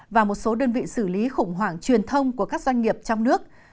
và một số đơn vị xử lý khủng hoảng truyền thông của các doanh nghiệp trong nước